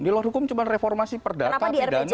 di luar hukum cuma reformasi perdata pidana